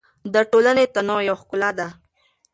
د ټولنې تنوع یو ښکلا ده.